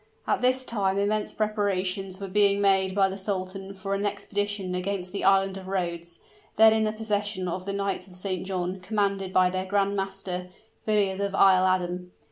At this time immense preparations were being made by the sultan for an expedition against the Island of Rhodes, then in the possession of the Knights of St. John, commanded by their grand master, Villiers of Isle Adam.